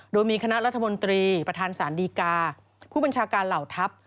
โดยมีคณะรัฐมนตรีประธานสารดีกาผู้บัญชาการเหล่าทัพ